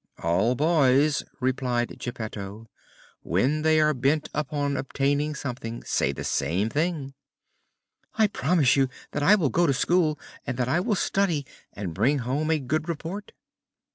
"All boys," replied Geppetto, "when they are bent upon obtaining something, say the same thing." "I promise you that I will go to school and that I will study and bring home a good report."